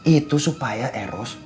itu supaya eros